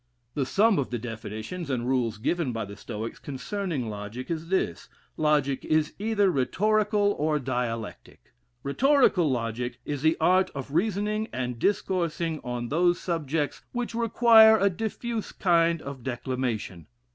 The sum of the definitions and rules given by the Stoics concerning logic is this: Logic is either rhetorical or dialectic. Rhetorical logic is the art of reasoning and discoursing on those subjects which require a diffuse kind of declamation.